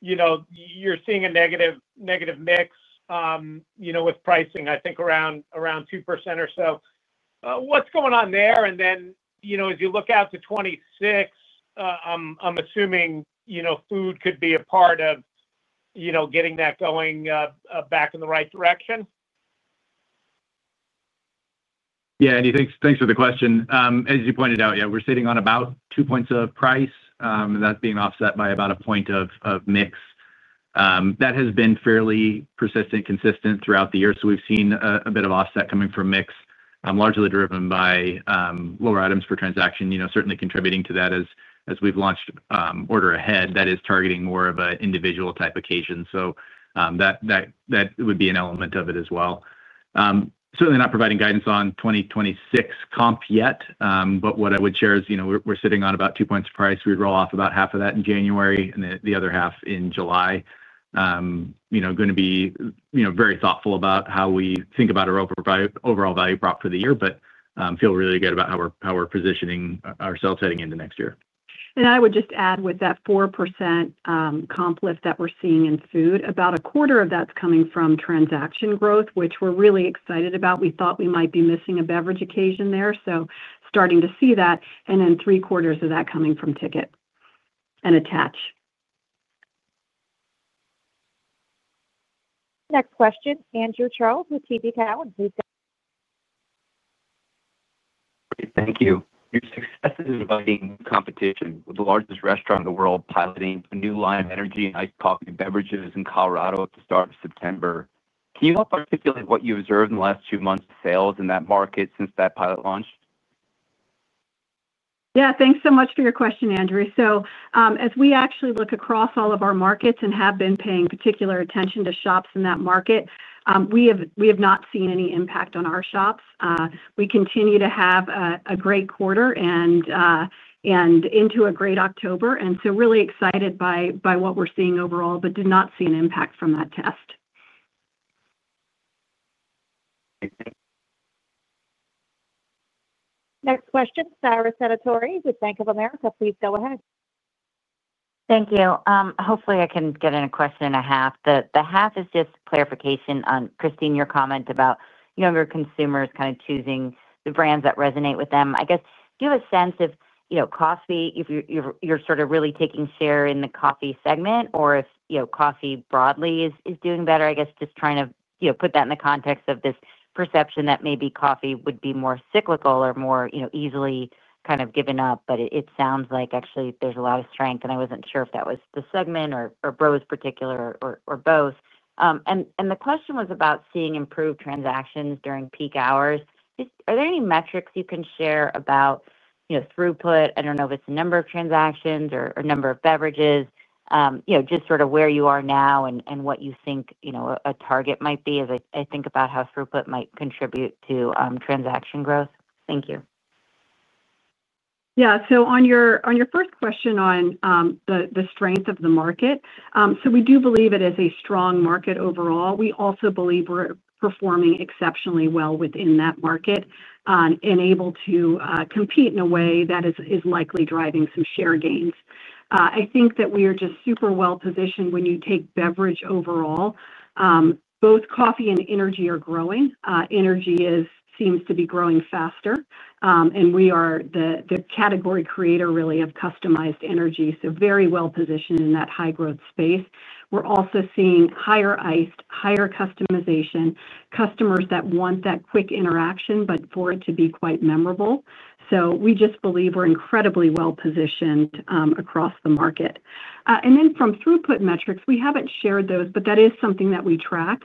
you're seeing a negative mix. With pricing, I think around 2% or so. What's going on there? As you look out to 2026, I'm assuming food could be a part of getting that going back in the right direction. Yeah, and thanks for the question. As you pointed out, yeah, we're sitting on about two points of price, and that's being offset by about a point of mix. That has been fairly persistent, consistent throughout the year. We've seen a bit of offset coming from mix, largely driven by lower items per transaction, certainly contributing to that as we've launched Order Ahead that is targeting more of an individual type occasion. That would be an element of it as well. Certainly not providing guidance on 2026 comp yet, but what I would share is we're sitting on about two points of price. We'd roll off about half of that in January and the other half in July. Going to be very thoughtful about how we think about our overall value prop for the year, but feel really good about how we're positioning ourselves heading into next year. I would just add with that 4% comp lift that we're seeing in food, about 1/4 of that's coming from transaction growth, which we're really excited about. We thought we might be missing a beverage occasion there. Starting to see that. Three-quarters of that coming from ticket and attach. Next question, Andrew Charles with TD Cowen. Great. Thank you. Your success is inviting competition with the largest restaurant in the world piloting a new line of energy and iced coffee beverages in Colorado at the start of September. Can you help articulate what you observed in the last two months of sales in that market since that pilot launched? Yeah. Thanks so much for your question, Andrew. As we actually look across all of our markets and have been paying particular attention to shops in that market, we have not seen any impact on our shops. We continue to have a great quarter and into a great October. I am really excited by what we're seeing overall, but did not see an impact from that test. Next question, Sara Senatore with Bank of America. Please go ahead. Thank you. Hopefully, I can get in a question and a half. The half is just clarification on, Christine, your comment about younger consumers kind of choosing the brands that resonate with them. I guess do you have a sense if coffee, if you're sort of really taking share in the coffee segment, or if coffee broadly is doing better? I guess just trying to put that in the context of this perception that maybe coffee would be more cyclical or more easily kind of given up, but it sounds like actually there's a lot of strength. I wasn't sure if that was the segment or Bros particular or both. The question was about seeing improved transactions during peak hours. Are there any metrics you can share about throughput? I don't know if it's the number of transactions or number of beverages. Just sort of where you are now and what you think a target might be as I think about how throughput might contribute to transaction growth. Thank you. Yeah. On your first question on. The strength of the market, so we do believe it is a strong market overall. We also believe we're performing exceptionally well within that market. We are able to compete in a way that is likely driving some share gains. I think that we are just super well-positioned when you take beverage overall. Both coffee and energy are growing. Energy seems to be growing faster. We are the category creator really of customized energy, so very well-positioned in that high-growth space. We are also seeing higher iced, higher customization, customers that want that quick interaction, but for it to be quite memorable. We just believe we're incredibly well-positioned across the market. From throughput metrics, we haven't shared those, but that is something that we track.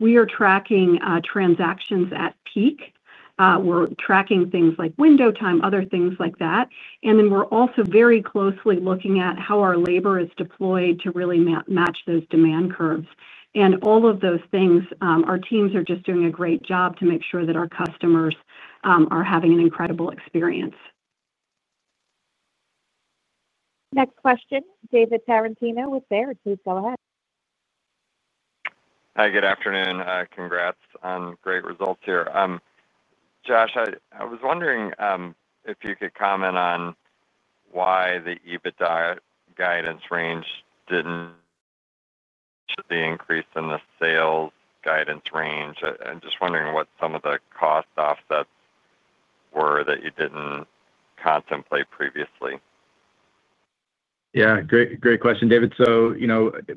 We are tracking transactions at peak. We are tracking things like window time, other things like that. We're also very closely looking at how our labor is deployed to really match those demand curves. All of those things, our teams are just doing a great job to make sure that our customers are having an incredible experience. Next question, David Tarantino with Baird. Please go ahead. Hi. Good afternoon. Congrats on great results here. Josh, I was wondering if you could comment on why the EBITDA guidance range did not increase in the sales guidance range. I'm just wondering what some of the cost offsets were that you did not contemplate previously. Yeah. Great question, David.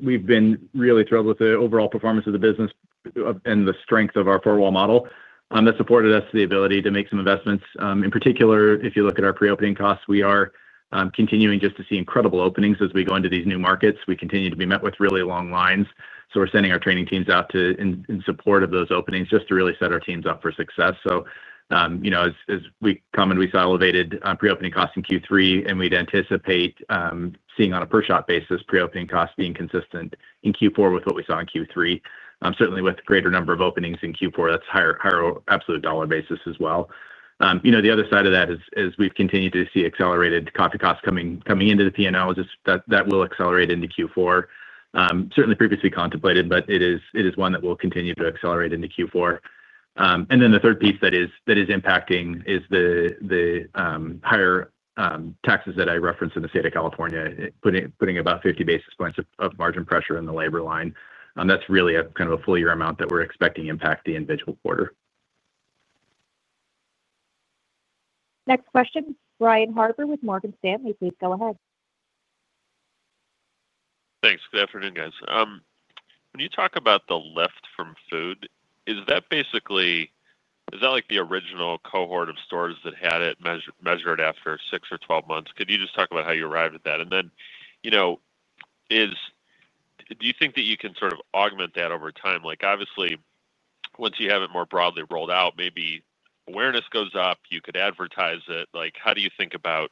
We have been really thrilled with the overall performance of the business and the strength of our four-wall model that supported us, the ability to make some investments. In particular, if you look at our pre-opening costs, we are continuing just to see incredible openings as we go into these new markets. We continue to be met with really long lines. We are sending our training teams out in support of those openings just to really set our teams up for success. As we comment, we saw elevated pre-opening costs in Q3, and we'd anticipate seeing on a per-shop basis pre-opening costs being consistent in Q4 with what we saw in Q3. Certainly, with a greater number of openings in Q4, that's higher absolute dollar basis as well. The other side of that is we've continued to see accelerated coffee costs coming into the P&L that will accelerate into Q4. Certainly previously contemplated, but it is one that will continue to accelerate into Q4. The third piece that is impacting is the. Higher taxes that I referenced in the state of California, putting about 50 basis points of margin pressure in the labor line. That's really kind of a full-year amount that we're expecting to impact the individual quarter. Next question, Brian Harbour with Morgan Stanley. Please go ahead. Thanks. Good afternoon, guys. When you talk about the lift from food, is that basically. Is that like the original cohort of stores that had it measured after 6 or 12 months? Could you just talk about how you arrived at that? And then. Do you think that you can sort of augment that over time? Obviously, once you have it more broadly rolled out, maybe awareness goes up, you could advertise it. How do you think about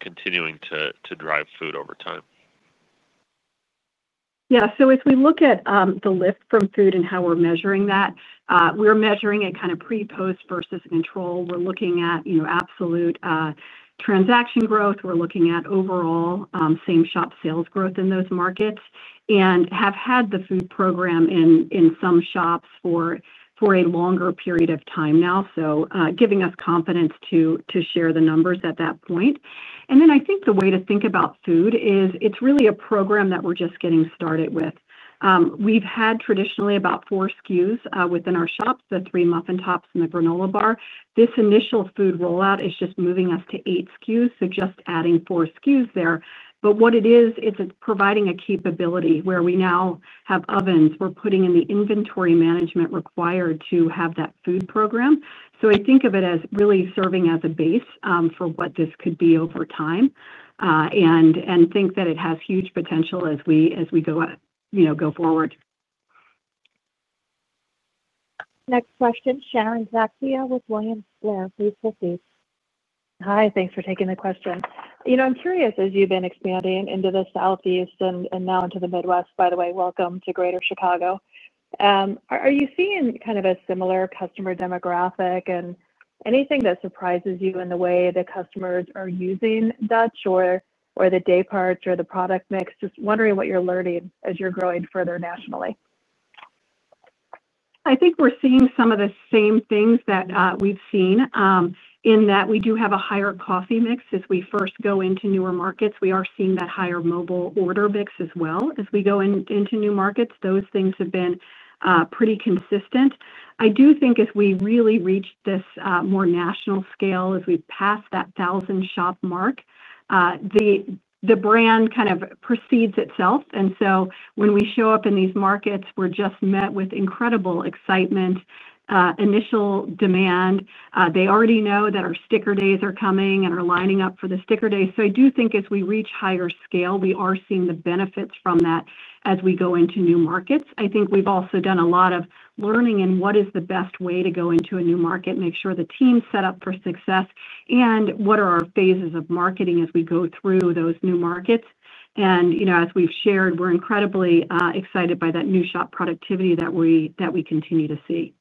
continuing to drive food over time? Yeah. If we look at the lift from food and how we're measuring that, we're measuring it kind of pre, post, versus control. We're looking at absolute transaction growth. We're looking at overall same-shop sales growth in those markets and have had the food program in some shops for a longer period of time now, giving us confidence to share the numbers at that point. I think the way to think about food is it's really a program that we're just getting started with. We've had traditionally about four SKUs within our shops, the three muffin tops and the granola bar. This initial food rollout is just moving us to eight SKUs, so just adding four SKUs there. What it is, it's providing a capability where we now have ovens. We're putting in the inventory management required to have that food program. I think of it as really serving as a base for what this could be over time. I think that it has huge potential as we go forward. Next question, Sharon Zackfia with William Blair. Please go ahead. Hi. Thanks for taking the question. I'm curious, as you've been expanding into the Southeast and now into the Midwest, by the way, welcome to Greater Chicago. Are you seeing kind of a similar customer demographic and anything that surprises you in the way the customers are using Dutch or the day parts or the product mix? Just wondering what you're learning as you're growing further nationally. I think we're seeing some of the same things that we've seen in that we do have a higher coffee mix. As we first go into newer markets, we are seeing that higher mobile order mix as well. As we go into new markets, those things have been pretty consistent. I do think as we really reach this more national scale, as we pass that 1,000-shop mark, the brand kind of precedes itself. When we show up in these markets, we're just met with incredible excitement. Initial demand. They already know that our sticker days are coming and are lining up for the sticker days. I do think as we reach higher scale, we are seeing the benefits from that as we go into new markets. I think we've also done a lot of learning in what is the best way to go into a new market, make sure the team's set up for success, and what are our phases of marketing as we go through those new markets. As we have shared, we are incredibly excited by that new shop productivity that we continue to see.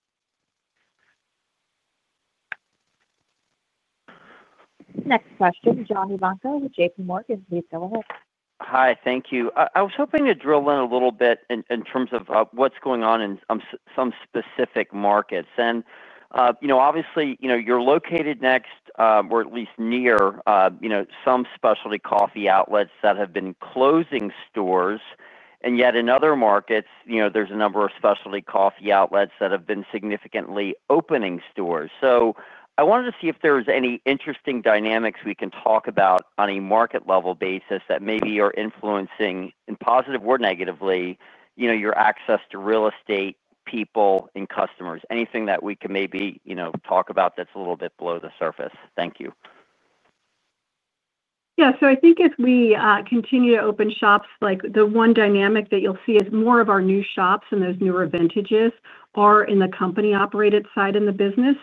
Next question, John Ivankoe with JPMorgan. Please go ahead. Hi. Thank you. I was hoping to drill in a little bit in terms of what is going on in some specific markets. Obviously, you are located next, or at least near, some specialty coffee outlets that have been closing stores. Yet in other markets, there are a number of specialty coffee outlets that have been significantly opening stores. I wanted to see if there were any interesting dynamics we can talk about on a market-level basis that maybe are influencing positively or negatively your access to real estate, people, and customers. Anything that we can maybe talk about that is a little bit below the surface. Thank you. Yeah. I think if we continue to open shops, the one dynamic that you'll see is more of our new shops and those newer vintages are in the company-operated side in the business.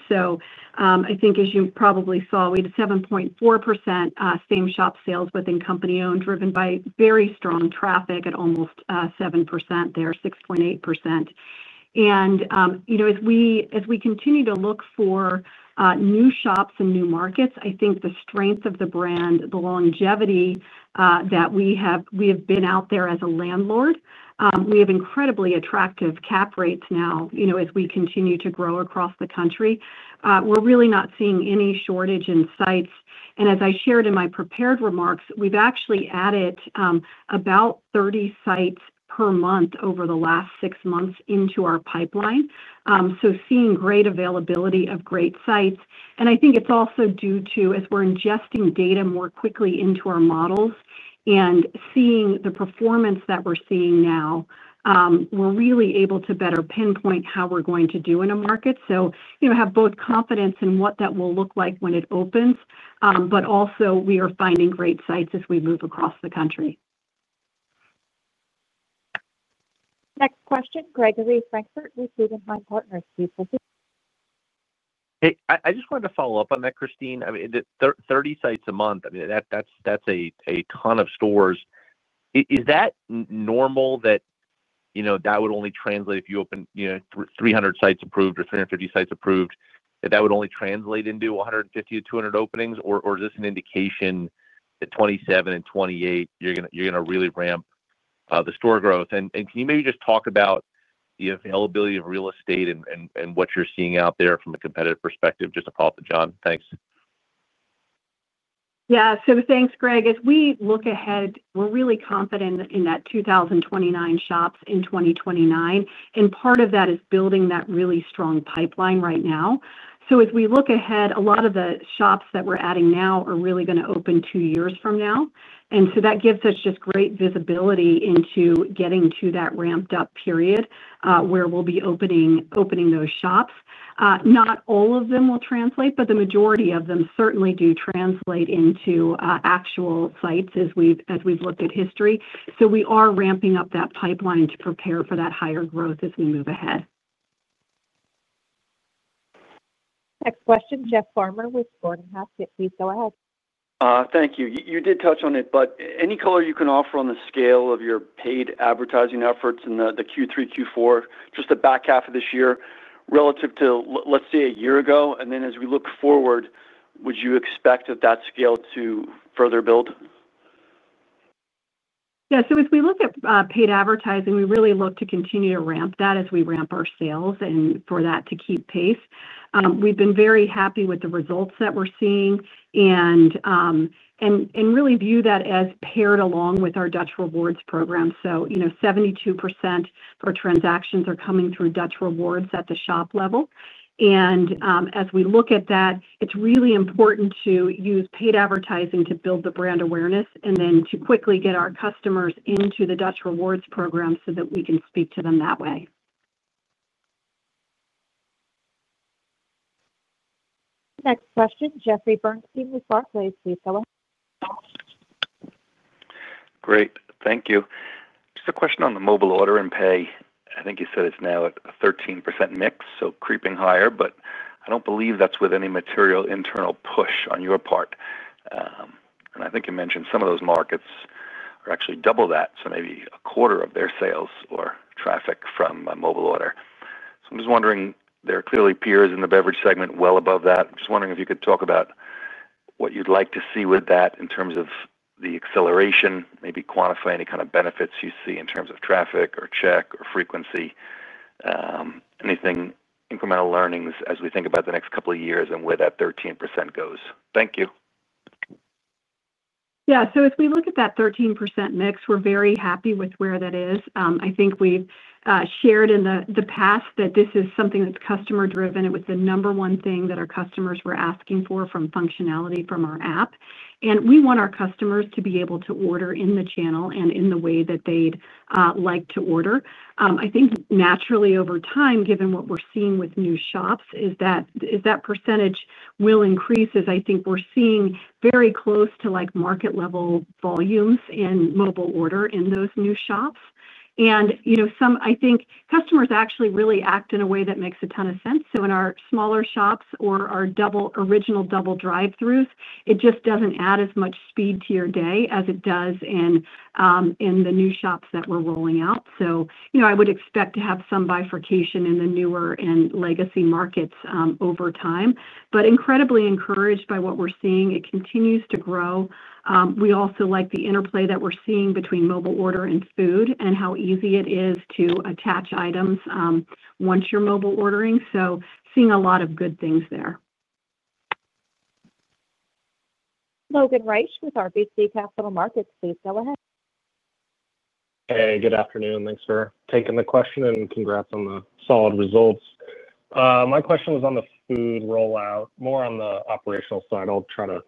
I think, as you probably saw, we had 7.4% same-shop sales within company-owned driven by very strong traffic at almost 7% there, 6.8%. As we continue to look for new shops and new markets, I think the strength of the brand, the longevity that we have been out there as a landlord, we have incredibly attractive cap rates now as we continue to grow across the country. We're really not seeing any shortage in sites. As I shared in my prepared remarks, we've actually added about 30 sites per month over the last six months into our pipeline. Seeing great availability of great sites. I think it's also due to, as we're ingesting data more quickly into our models and seeing the performance that we're seeing now. We're really able to better pinpoint how we're going to do in a market. You have both confidence in what that will look like when it opens, but also we are finding great sites as we move across the country. Next question, Gregory Francfort with Guggenheim Partners. Please go ahead. Hey, I just wanted to follow up on that, Christine. I mean, 30 sites a month, I mean, that's a ton of stores. Is that normal that would only translate if you open 300 sites approved or 350 sites approved, that that would only translate into 150-200 openings? Or is this an indication that 2027 and 2028, you're going to really ramp the store growth? And can you maybe just talk about. The availability of real estate and what you're seeing out there from a competitive perspective? Just a call to John. Thanks. Yeah. So thanks, Greg. As we look ahead, we're really confident in that 2,029 shops in 2029. And part of that is building that really strong pipeline right now. As we look ahead, a lot of the shops that we're adding now are really going to open two years from now. That gives us just great visibility into getting to that ramped-up period where we'll be opening those shops. Not all of them will translate, but the majority of them certainly do translate into actual sites as we've looked at history. We are ramping up that pipeline to prepare for that higher growth as we move ahead. Next question, Jeff Farmer with Gordon Haskett. Please go ahead. Thank you. You did touch on it, but any color you can offer on the scale of your paid advertising efforts in Q3, Q4, just the back half of this year relative to, let's say, a year ago? As we look forward, would you expect that scale to further build? Yeah. As we look at paid advertising, we really look to continue to ramp that as we ramp our sales and for that to keep pace. We've been very happy with the results that we're seeing and really view that as paired along with our Dutch Rewards program. 72% of our transactions are coming through Dutch Rewards at the shop level. As we look at that, it's really important to use paid advertising to build the brand awareness and then to quickly get our customers into the Dutch Rewards program so that we can speak to them that way. Next question, Jeffrey Bernstein with Barclays. Please go ahead. Great. Thank you. Just a question on the mobile order and pay. I think you said it's now at a 13% mix, so creeping higher, but I don't believe that's with any material internal push on your part. I think you mentioned some of those markets are actually double that, so maybe 1/4 of their sales or traffic from a mobile order. I'm just wondering, there are clearly peers in the beverage segment well above that. I'm just wondering if you could talk about what you'd like to see with that in terms of the acceleration, maybe quantify any kind of benefits you see in terms of traffic or check or frequency. Anything, incremental learnings as we think about the next couple of years and where that 13% goes. Thank you. Yeah. As we look at that 13% mix, we're very happy with where that is. I think we've shared in the past that this is something that's customer-driven. It was the number one thing that our customers were asking for from functionality from our app. We want our customers to be able to order in the channel and in the way that they'd like to order. I think naturally over time, given what we're seeing with new shops, is that percentage will increase as I think we're seeing very close to market-level volumes and mobile order in those new shops. I think customers actually really act in a way that makes a ton of sense. In our smaller shops or our original double drive-throughs, it just doesn't add as much speed to your day as it does in the new shops that we're rolling out. I would expect to have some bifurcation in the newer and legacy markets over time, but incredibly encouraged by what we're seeing. It continues to grow. We also like the interplay that we're seeing between mobile order and food and how easy it is to attach items once you're mobile ordering. Seeing a lot of good things there. Logan Reich with RBC Capital Markets. Please go ahead. Hey, good afternoon. Thanks for taking the question and congrats on the solid results. My question was on the food rollout, more on the operational side. I'll try to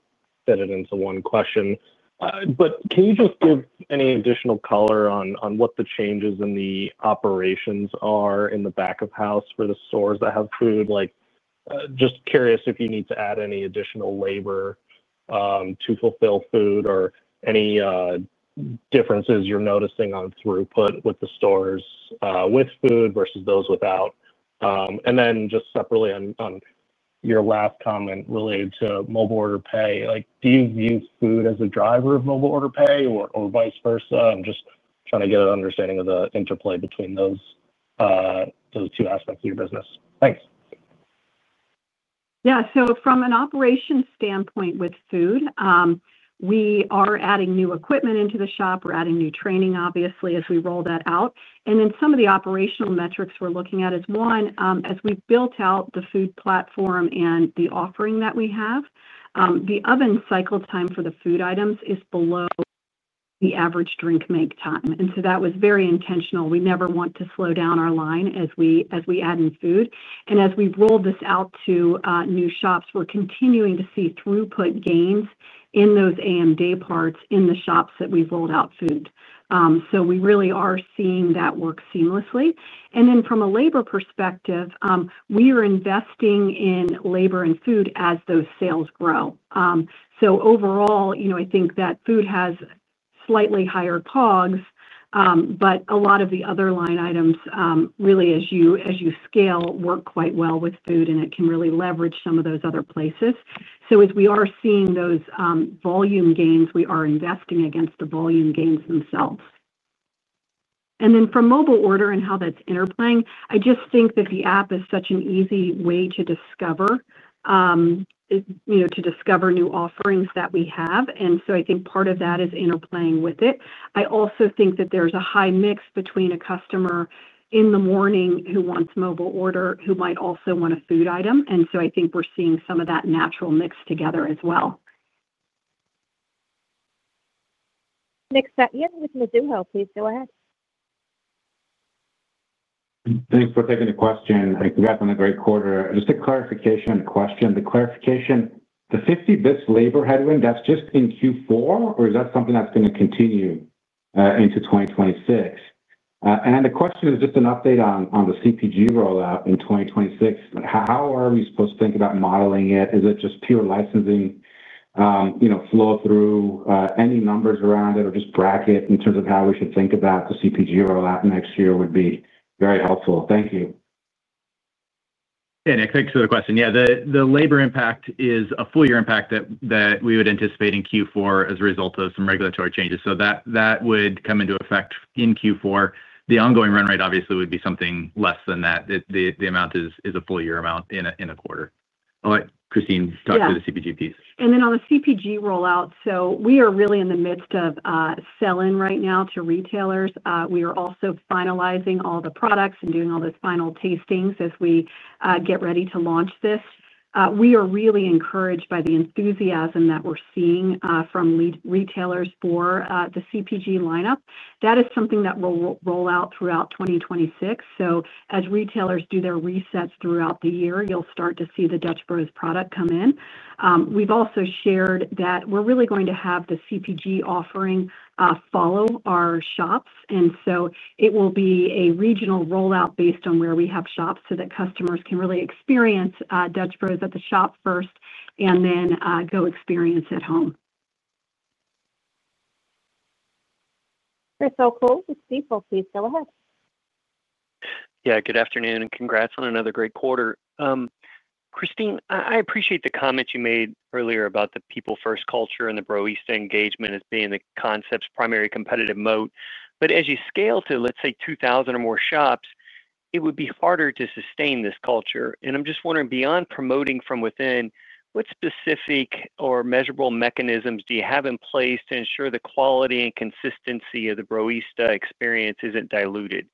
fit it into one question. Can you just give any additional color on what the changes in the operations are in the back of house for the stores that have food? Just curious if you need to add any additional labor to fulfill food or any differences you're noticing on throughput with the stores with food versus those without. Then just separately on your last comment related to mobile order pay, do you view food as a driver of mobile order pay or vice versa? I'm just trying to get an understanding of the interplay between those two aspects of your business. Thanks. Yeah. From an operation standpoint with food, we are adding new equipment into the shop. We're adding new training, obviously, as we roll that out. Some of the operational metrics we're looking at is one, as we've built out the food platform and the offering that we have, the oven cycle time for the food items is below the average drink make time. That was very intentional. We never want to slow down our line as we add in food. As we've rolled this out to new shops, we're continuing to see throughput gains in those A.M. day parts in the shops that we've rolled out food. We really are seeing that work seamlessly. From a labor perspective, we are investing in labor and food as those sales grow. Overall, I think that food has slightly higher cogs, but a lot of the other line items really, as you scale, work quite well with food, and it can really leverage some of those other places. As we are seeing those volume gains, we are investing against the volume gains themselves. From mobile order and how that is interplaying, I just think that the app is such an easy way to discover new offerings that we have. I think part of that is interplaying with it. I also think that there is a high mix between a customer in the morning who wants mobile order who might also want a food item. I think we are seeing some of that natural mix together as well. Nick Setyan with Mizuho. Please go ahead. Thanks for taking the question. Congrats on a great quarter. Just a clarification question. The clarification, the 50-basis points labor headwind, that's just in Q4, or is that something that's going to continue into 2026? And the question is just an update on the CPG rollout in 2026. How are we supposed to think about modeling it? Is it just pure licensing flow-through, any numbers around it, or just bracket in terms of how we should think about the CPG rollout next year would be very helpful. Thank you. Yeah. Thanks for the question. Yeah. The labor impact is a full-year impact that we would anticipate in Q4 as a result of some regulatory changes. That would come into effect in Q4. The ongoing run rate, obviously, would be something less than that. The amount is a full-year amount in a quarter. All right. Christine, talk to the CPG piece. Yeah. On the CPG rollout, we are really in the midst of selling right now to retailers. We are also finalizing all the products and doing all those final tastings as we get ready to launch this. We are really encouraged by the enthusiasm that we're seeing from retailers for the CPG lineup. That is something that will roll out throughout 2026. As retailers do their resets throughout the year, you'll start to see the Dutch Bros product come in. We've also shared that we're really going to have the CPG offering follow our shops. It will be a regional rollout based on where we have shops so that customers can really experience Dutch Bros at the shop first and then go experience at home. Chris O'Cull with Stifel, please go ahead. Yeah. Good afternoon, and congrats on another great quarter. Christine, I appreciate the comments you made earlier about the people-first culture and the Broista engagement as being the concept's primary competitive moat. As you scale to, let's say, 2,000 or more shops, it would be harder to sustain this culture. I'm just wondering, beyond promoting from within, what specific or measurable mechanisms do you have in place to ensure the quality and consistency of the Broista experience isn't diluted?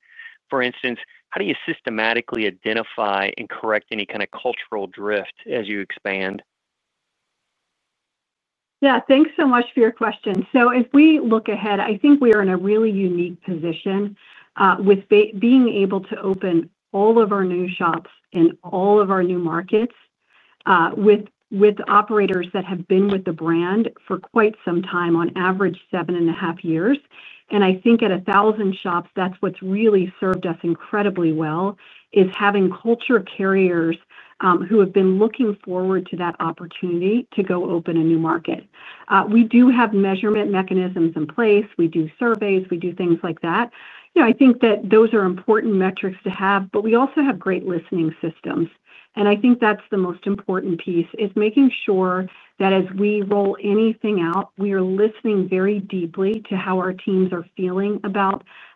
For instance, how do you systematically identify and correct any kind of cultural drift as you expand? Yeah. Thanks so much for your question. As we look ahead, I think we are in a really unique position. With being able to open all of our new shops in all of our new markets with operators that have been with the brand for quite some time, on average seven and a half years. I think at 1,000 shops, that's what's really served us incredibly well, is having culture carriers who have been looking forward to that opportunity to go open a new market. We do have measurement mechanisms in place. We do surveys. We do things like that. I think that those are important metrics to have, but we also have great listening systems. I think that's the most important piece, making sure that as we roll anything out, we are listening very deeply to how our teams are feeling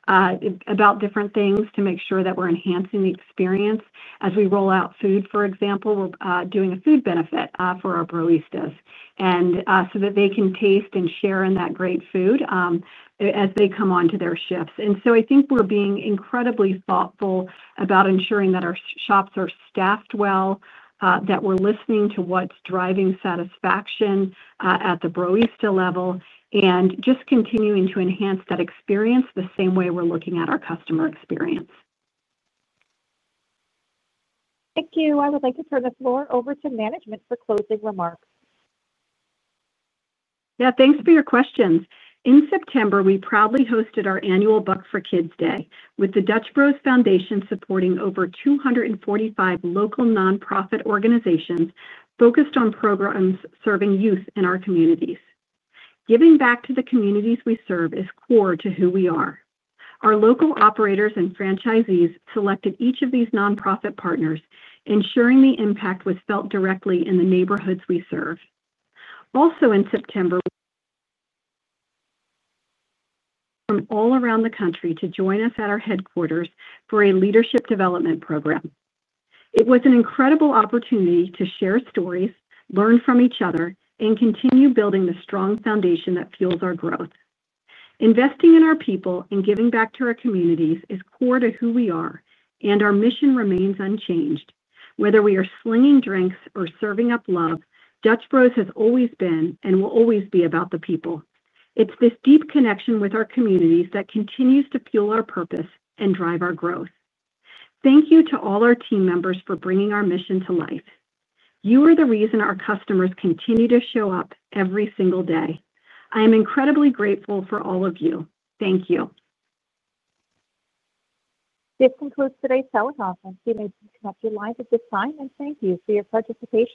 about different things to make sure that we're enhancing the experience. As we roll out food, for example, we're doing a food benefit for our Broista so that they can taste and share in that great food as they come on to their shifts. I think we're being incredibly thoughtful about ensuring that our shops are staffed well, that we're listening to what's driving satisfaction at the Broista level, and just continuing to enhance that experience the same way we're looking at our customer experience. Thank you. I would like to turn the floor over to management for closing remarks. Yeah. Thanks for your questions. In September, we proudly hosted our annual Buck for Kids Day, with the Dutch Bros Foundation supporting over 245 local nonprofit organizations focused on programs serving youth in our communities. Giving back to the communities we serve is core to who we are. Our local operators and franchisees selected each of these nonprofit partners, ensuring the impact was felt directly in the neighborhoods we serve. Also, in September, people from all around the country joined us at our headquarters for a leadership development program. It was an incredible opportunity to share stories, learn from each other, and continue building the strong foundation that fuels our growth. Investing in our people and giving back to our communities is core to who we are, and our mission remains unchanged. Whether we are slinging drinks or serving up love, Dutch Bros has always been and will always be about the people. It's this deep connection with our communities that continues to fuel our purpose and drive our growth. Thank you to all our team members for bringing our mission to life. You are the reason our customers continue to show up every single day. I am incredibly grateful for all of you. Thank you. This concludes today's teleconference. We may disconnect you live at this time, and thank you for your participation.